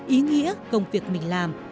ý nghĩa công việc mình làm